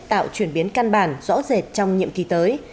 tạo chuyển biến căn bản rõ rệt trong nhiệm kỳ tới